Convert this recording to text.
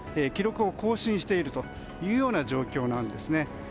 記録を更新しているというような状況なんですね。